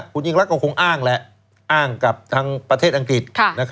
คุณยิ่งรักก็คงอ้างแหละอ้างกับทางประเทศอังกฤษ